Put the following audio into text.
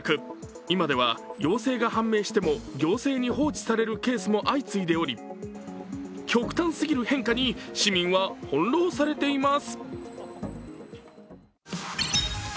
今では陽性が判明しても行政に放置されるケースも相次いでおり、極端すぎる変化に、市民は翻弄されています。